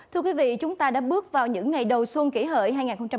thưa quý vị chúng ta đã bước vào những ngày đầu xuân kỷ hợi hai nghìn một mươi chín